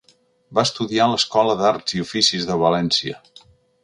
Va estudiar a l'Escola d'Arts i Oficis de València.